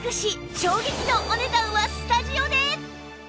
衝撃のお値段はスタジオで！